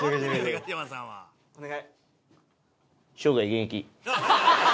お願い。